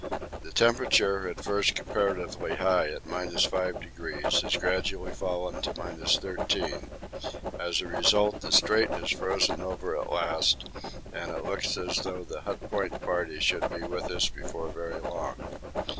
The temperature, at first comparatively high at 5°, has gradually fallen to 13°; as a result the Strait has frozen over at last and it looks as though the Hut Point party should be with us before very long.